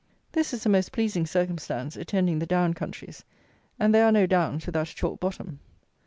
This is a most pleasing circumstance attending the down countries; and there are no downs without a chalk bottom.